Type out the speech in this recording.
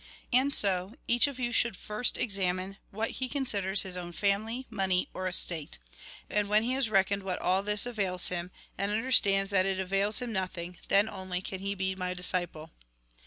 " And so, each of you should first examine what he considers his own family, money, or estate. And, when he has reckoned what all this avails him, and understands that it avails him nothing, then only can he be my disciple."